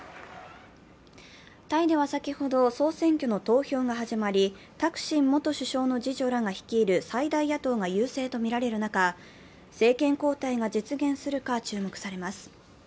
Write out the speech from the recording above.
タイでは先ほど総選挙の投票が始まり、タクシン元首相の次女らが率いる最大野党が優勢とみられる中、政権交代が実現するか注目されます。